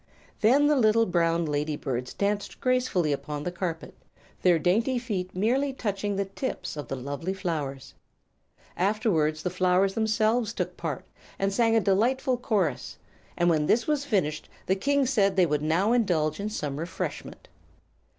Then the little brown lady birds danced gracefully upon the carpet, their dainty feet merely touching the tips of the lovely flowers. Afterward the flowers themselves took part, and sang a delightful chorus, and when this was finished the King said they would now indulge in some refreshment.